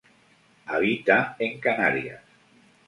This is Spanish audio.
Habita en Canarias.